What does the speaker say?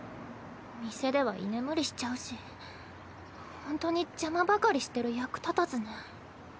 店では居眠りしちゃうしほんとに邪魔ばかりしてる役立たずね。